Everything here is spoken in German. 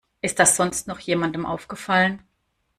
Ist das sonst noch jemandem aufgefallen?